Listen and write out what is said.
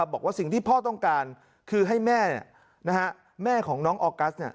บอกว่าสิ่งที่พ่อต้องการคือให้แม่ของน้องออกัส